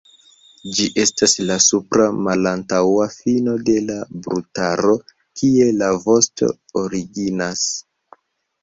Ĝi estas la supra malantaŭa fino de la brutaro kie la vosto originas.